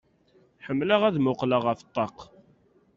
Ḥemmleɣ ad muqqleɣ ɣef ṭṭaq.